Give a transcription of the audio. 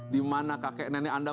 di mana kakek nenek anda mau berada